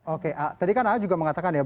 oke tadi kan ah juga mengatakan ya